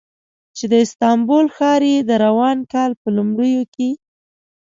چې د استانبول ښار یې د روان کال په لومړیو کې